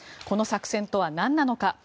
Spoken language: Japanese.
この作戦とはなんなのか。